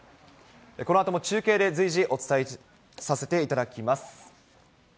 このあとも中継で随時お伝えさせていただきます。